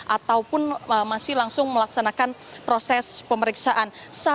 ataupun masih langsung melaksanakan proses pemeriksaan